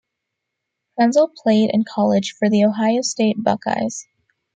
Krenzel played in college for The Ohio State Buckeyes.